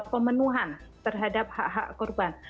pemenuhan terhadap hak hak korban